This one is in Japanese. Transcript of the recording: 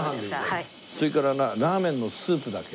それからラーメンのスープだけ。